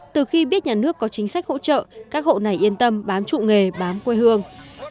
từ khi biết nhà nước có chính sách hỗ trợ các hộ này yên tâm bám trụ nghề bám quê hương